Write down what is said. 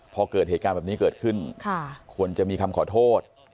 พอเกิดเหตุการณ์แบบนี้เกิดขึ้นควรจะมีคำขอโทษ